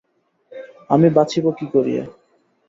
আমি বাঁচিব কি করিয়া!